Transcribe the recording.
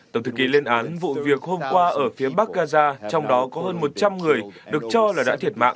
tổng thư ký lên án vụ việc hôm qua ở phía bắc gaza trong đó có hơn một trăm linh người được cho là đã thiệt mạng